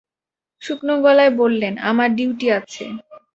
শুকনো গলায় বললেন, আমার ডিউটি আছে।